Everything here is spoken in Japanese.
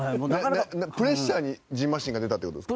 プレッシャーに、じんましんが出たってことですか？